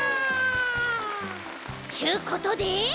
ちゅうことで。